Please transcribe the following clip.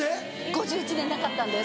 ５１年なかったんです。